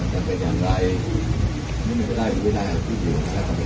ทุกคนบอกว่าอะไรก็ตาม